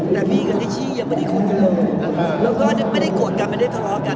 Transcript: แต่บี้กับลิชชี่ยังไม่ได้คุยกันเลยแล้วก็ไม่ได้โกรธกันไม่ได้ทะเลาะกัน